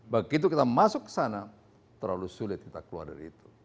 begitu kita masuk ke sana terlalu sulit kita keluar dari itu